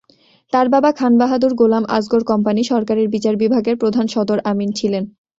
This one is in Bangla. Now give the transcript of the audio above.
তার বাবা খান বাহাদুর গোলাম আসগর কোম্পানি সরকারের বিচার বিভাগের প্রধান সদর আমিন ছিলেন।